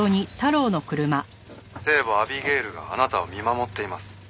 「聖母アビゲイルがあなたを見守っています」